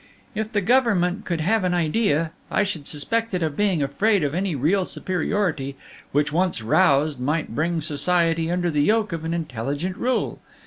"If the Government could have an idea, I should suspect it of being afraid of any real superiority, which, once roused, might bring Society under the yoke of an intelligent rule.